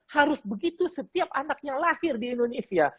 harus begitu setiap anak yang lahir di indonesia